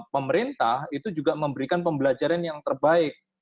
pemerintah itu juga memberikan pembelajaran yang terbaik